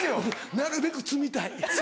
なるべく摘みたい。